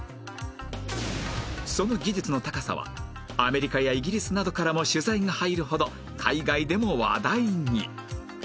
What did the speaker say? その技術の高さはアメリカやイギリスなどからも取材が入るほど海外でも話題に